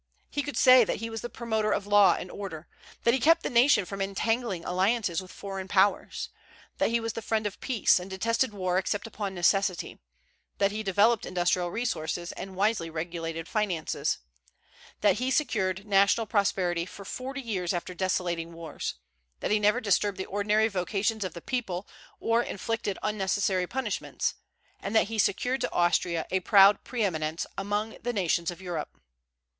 He could say that he was the promoter of law and order; that he kept the nation from entangling alliances with foreign powers; that he was the friend of peace, and detested war except upon necessity; that he developed industrial resources and wisely regulated finances; that he secured national prosperity for forty years after desolating wars; that he never disturbed the ordinary vocations of the people, or inflicted unnecessary punishments; and that he secured to Austria a proud pre eminence among the nations of Europe.